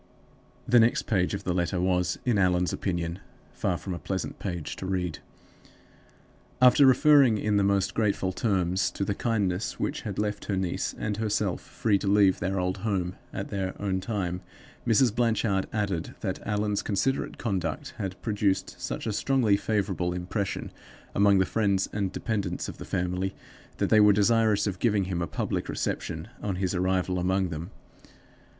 "The next page of the letter was, in Allan's opinion, far from a pleasant page to read. "After referring, in the most grateful terms, to the kindness which had left her niece and herself free to leave their old home at their own time, Mrs. Blanchard added that Allan's considerate conduct had produced such a strongly favorable impression among the friends and dependents of the family that they were desirous of giving him a public reception on his arrival among them.